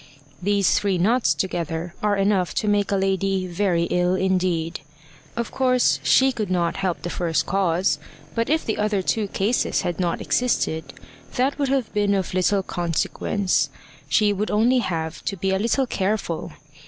These three nots together are enough to make a lady very ill indeed. Of course she could not help the first cause; but if the other two causes had not existed, that would have been of little consequence; she would only have to be a little careful.